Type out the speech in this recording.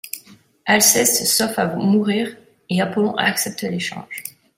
Alceste s'offre à mourir, et Apollon accepte l'échange.